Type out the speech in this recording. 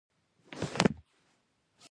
غزني د افغانستان د اقتصادي منابعو ارزښت زیاتوي.